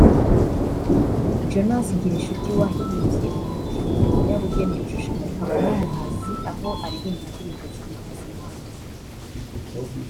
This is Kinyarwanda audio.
Jonas Ngirinshuti wahimbye uyu mukino ni umunyabugeni ushushanya akaba n'umuhazi aho aririmba Indirimbo zihimbaza Imana